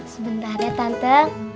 sebentar ya tante